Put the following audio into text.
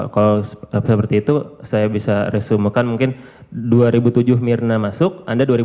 dua ribu delapan kalau seperti itu saya bisa resume kan mungkin dua ribu tujuh myrna masuk anda dua ribu enam ya